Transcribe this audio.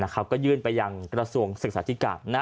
ก็ยื่นไปยังกระทรวงศึกษาธิการ